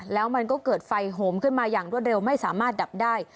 แล้วมันก็เกิดไฟโหมขึ้นมาอย่างรวดเร็วไม่สามารถดับได้